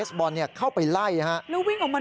โทษทีโทษทีโทษทีโทษที